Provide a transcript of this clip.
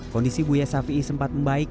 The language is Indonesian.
kondisi buya safi'i sempat membaik